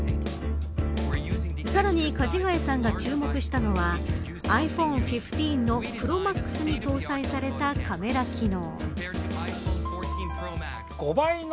さらに、かじがやさんが注目したのはｉＰｈｏｎｅ１５のＰｒｏＭａｘに搭載されたカメラ機能。